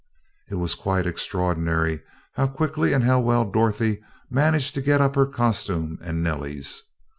It was quite extraordinary how quickly and how well Dorothy managed to get up her costume and Nellie's.